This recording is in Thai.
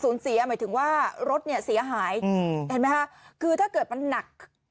หมายถึงว่ารถเนี่ยเสียหายเห็นไหมคะคือถ้าเกิดมันหนัก